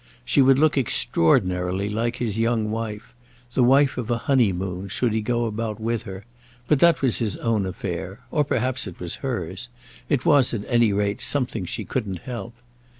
She would look extraordinarily like his young wife—the wife of a honeymoon, should he go about with her; but that was his own affair—or perhaps it was hers; it was at any rate something she couldn't help.